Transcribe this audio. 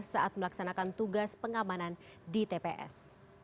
saat melaksanakan tugas pengamanan di tps